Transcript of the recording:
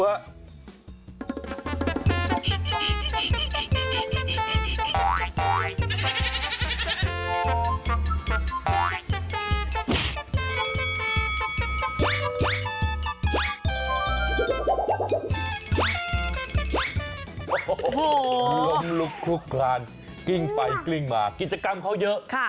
โอ้โหล้มลุกลุกคลานกลิ้งไปกลิ้งมากิจกรรมเขาเยอะ